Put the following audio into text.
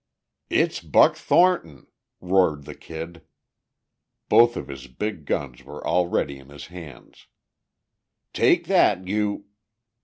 "It's Buck Thornton!" roared the Kid. Both of his big guns were already in his hands. "Take that, you...."